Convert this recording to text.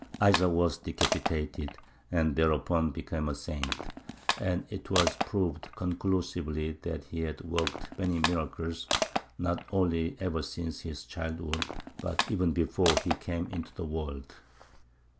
Isaac was decapitated, and thereupon became a saint, and it was proved conclusively that he had worked many miracles, not only ever since his childhood, but even before he came into the world.